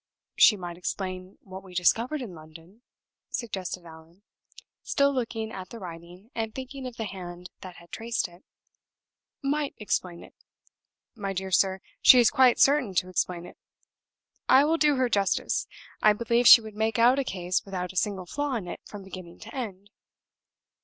"She might explain what we discovered in London," suggested Allan, still looking at the writing, and thinking of the hand that had traced it. "Might explain it? My dear sir, she is quite certain to explain it! I will do her justice: I believe she would make out a case without a single flaw in it from beginning to end."